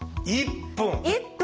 １分！